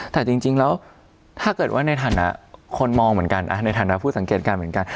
แต่จริงแล้วถ้าเกิดว่าในฐานะคนมองเหมือนกันในฐานะผู้สังเกตการณ์เหมือนกัน